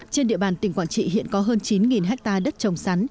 trên địa bàn tỉnh quảng trị hiện có hơn chín hectare đất trồng sắn